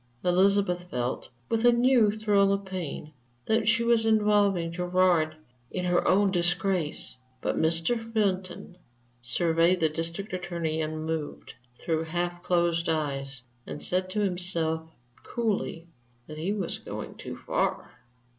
Elizabeth felt, with a new thrill of pain, that she was involving Gerard in her own disgrace. But Mr. Fenton surveyed the District Attorney unmoved through half closed eyes, and said to himself coolly that he was going too far.